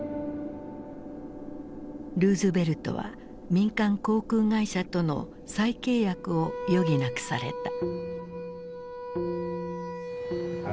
ルーズベルトは民間航空会社との再契約を余儀なくされた。